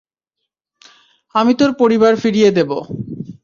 আমি তোর পরিবার ফিরিয়ে দেব।